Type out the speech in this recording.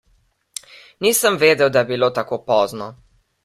Nisem vedel, da je bilo tako pozno.